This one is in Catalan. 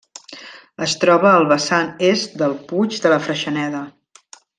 Es troba al vessant est del Puig de la Freixeneda.